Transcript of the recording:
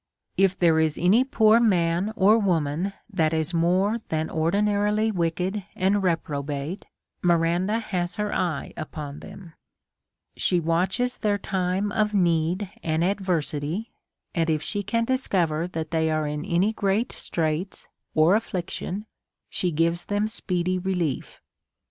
If there is any poor man or woman that is more than ordinarily wicked and reprobate, Miranda has her eye upon them ; she watches their time of need and adversity ; and if she can discover that they are in any great straits of affliction, she gives them speedy relief.